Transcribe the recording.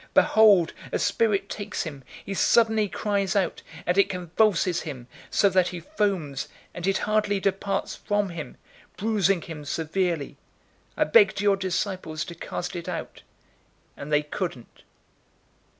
009:039 Behold, a spirit takes him, he suddenly cries out, and it convulses him so that he foams, and it hardly departs from him, bruising him severely. 009:040 I begged your disciples to cast it out, and they couldn't."